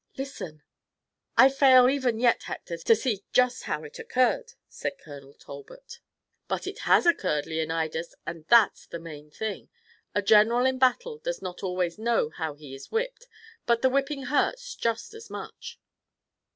Listen!" "I fail even yet, Hector, to see just how it occurred." said Colonel Talbot. "But it has occurred, Leonidas, and that's the main thing. A general in battle does not always know how he is whipped, but the whipping hurts just as much."